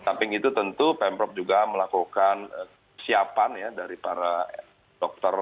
samping itu tentu pemprov juga melakukan siapan ya dari para dokter